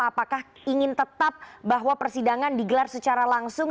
apakah ingin tetap bahwa persidangan digelar secara langsung